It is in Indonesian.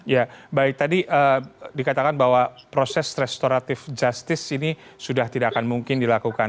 ya baik tadi dikatakan bahwa proses restoratif justice ini sudah tidak akan mungkin dilakukan